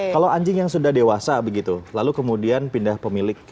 kalau anjing yang sudah dewasa begitu lalu kemudian pindah pemilik